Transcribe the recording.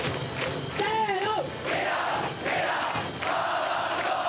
せの！